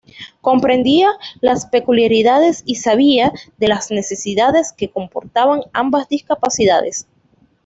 Comprendía las peculiaridades y sabía de las necesidades que comportaban ambas discapacidades.